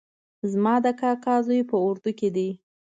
زما د کاکا زوی په اردو کې ده